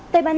tây ban nha